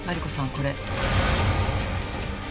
これ。